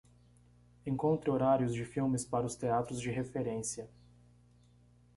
Encontre horários de filmes para os teatros de referência.